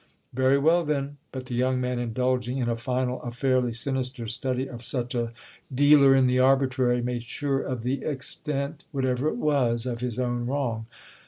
"Very well then!" But the young man, indulging in a final, a fairly sinister, study of such a dealer in the arbitrary, made sure of the extent, whatever it was, of his own wrong.